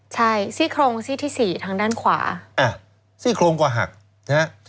ใช่ซี่โครงซี่ที่สี่ทางด้านขวาอ่ะซี่โครงก็หักนะฮะ